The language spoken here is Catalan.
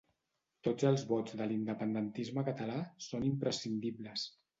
tots els vots de l'independentisme català són imprescindibles